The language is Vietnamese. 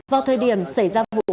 vào thời điểm xảy ra vụ